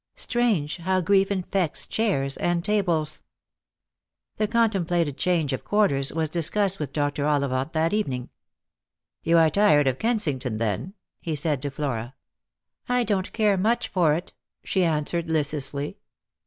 Strange how grief infects chairs and tables ! The contemplated change of quarters was discussed with Dr. Ollivant that evening. "You are tired of Kensington, then ?" he said to Flora. " I don't care much for it," she answered listlessly.